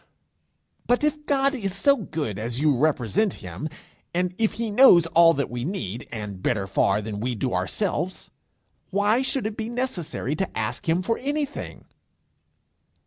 'But if God is so good as you represent him, and if he knows all that we need, and better far than we do ourselves, why should it be necessary to ask him for anything?'